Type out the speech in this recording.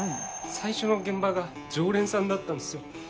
最初の現場が常連さんだったんすよ。